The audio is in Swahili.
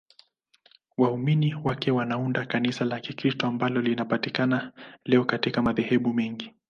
Waumini wake wanaunda Kanisa la Kikristo ambalo linapatikana leo katika madhehebu mengi.